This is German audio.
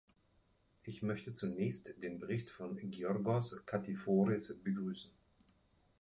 Ich möchte zunächst den Bericht von Giorgos Katiforis begrüßen.